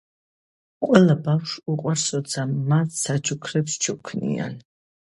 ყველა ბავშვს უყვარს როცა მათ საჩუქრებს ჩუქნიან